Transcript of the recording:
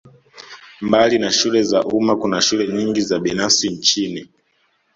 Mbali na shule za umma kuna shule nyingi za binafsi nchini